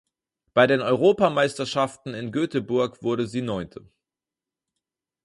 Bei den Europameisterschaften in Göteborg wurde sie Neunte.